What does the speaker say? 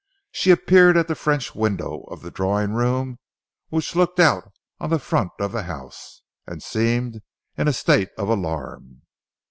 She appeared at the French window of the drawing room which looked out on the front of the house, and seemed in a state of alarm.